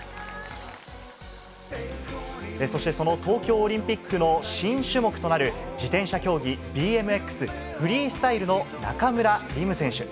そして、その東京オリンピックの新種目となる自転車競技、ＢＭＸフリースタイルの中村輪夢選手。